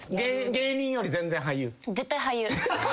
芸人より全然俳優？